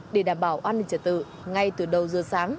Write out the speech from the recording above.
để đảm bảo an ninh trật tự ngay từ đầu giờ sáng